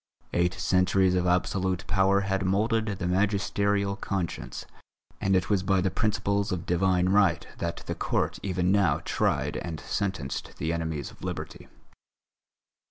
Eight centuries of absolute power had moulded the magisterial conscience, and it was by the principles of Divine Right that the Court even now tried and sentenced the enemies of Liberty.